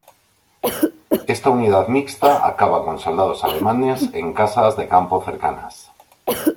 Esta unidad mixta acaba con soldados alemanes en casas de campo cercanas.